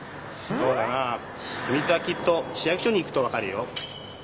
ひみつはきっと市役所に行くとわかるよ！